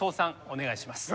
お願いします。